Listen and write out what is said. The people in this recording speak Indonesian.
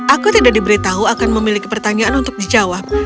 aku tidak diberitahu akan memiliki pertanyaan untuk dijawab